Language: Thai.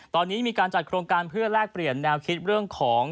ตอนนี้มีการจัดโครงการเพื่อแลกเปลี่ยนแนวคิดเรื่องของ